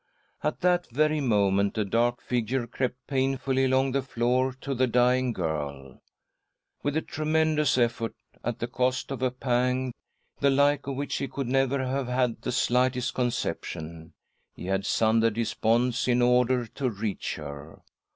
At that very moment a dark figure crept painfully along the floor to the dying girl. With a tremendous effort, and at the cost of a pang the like of which he could never have had. the slightest conception, he had sundered his bonds in order to reach her.